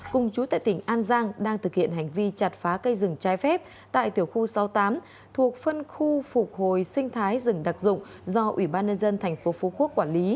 cùng chú tại tỉnh an giang đang thực hiện hành vi chặt phá cây rừng trái phép tại tiểu khu sáu mươi tám thuộc phân khu phục hồi sinh thái rừng đặc dụng do ủy ban nhân dân tp phú quốc quản lý